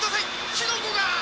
キノコが！」。